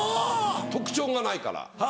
特徴がないから。